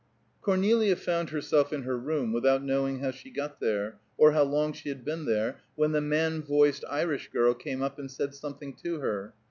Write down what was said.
Cornelia found herself in her room without knowing how she got there, or how long she had been there, when the man voiced Irish girl came up and said something to her.